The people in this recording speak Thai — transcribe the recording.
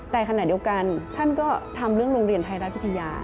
แต่ขณะเดียวกันท่านก็ทำเรื่องโรงเรียนไทยรัฐวิทยา